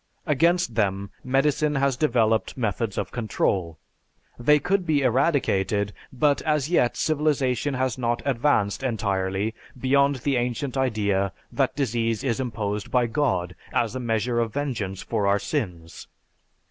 Against them medicine has developed methods of control. They could be eradicated, but as yet civilization has not advanced entirely beyond the ancient idea that disease is imposed by God as a measure of vengeance for our sins.